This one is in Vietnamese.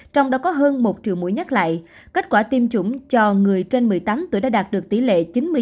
trong đó có hơn một triệu mũi nhắc lại kết quả tiêm chủng cho người trên một mươi tám tuổi đã đạt được tỷ lệ